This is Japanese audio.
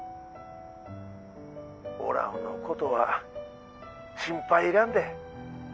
☎オラのことは心配いらんで。